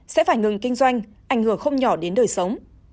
sẽ phải ngừng kinh doanh ảnh hưởng không nhỏ đến đời sống